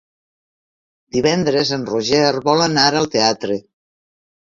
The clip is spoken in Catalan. Divendres en Roger vol anar al teatre.